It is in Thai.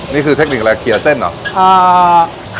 นี่คือเทคนิคอะไรเคลียร์เส้นหรอ